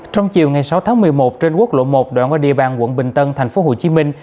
trong chiều ngày sáu tháng một mươi một trên quốc lộ một đoạn qua địa bàn quận bình tân thành phố hồ chí minh